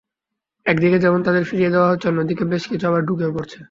একদিকে যেমন তাদের ফিরিয়ে দেওয়া হচ্ছে, অন্যদিকে বেশ কিছু আবার ঢুকেও পড়ছে।